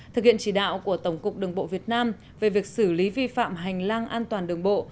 thực hiện chỉ đạo của tổng cục đường bộ việt nam về việc xử lý vi phạm hành lang an toàn đường bộ